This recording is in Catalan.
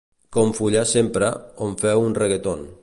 Com ‘Follar sempre’, on feu un reggaeton.